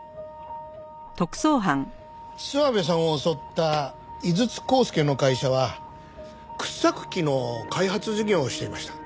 諏訪部さんを襲った井筒浩輔の会社は掘削機の開発事業をしていました。